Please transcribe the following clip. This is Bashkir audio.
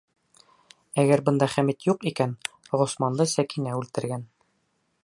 Әгәр бында Хәмит юҡ икән, Ғосманды Сәкинә үлтергән!